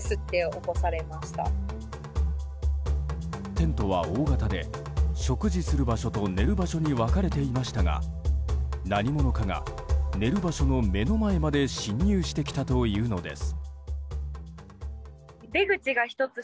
テントは大型で食事する場所と寝る場所に分かれていましたが何者かが、寝る場所の目の前まで侵入してきたというのです。